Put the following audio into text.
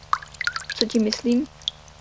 Co tím myslím?